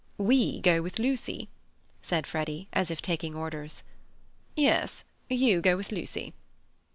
"We go with Lucy?" said Freddy, as if taking orders. "Yes, you go with Lucy."